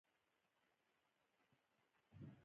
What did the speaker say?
پۀ لس شل سیکنډه کښې لس دولس ځله